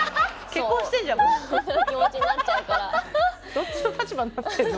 どっちの立場になってんの？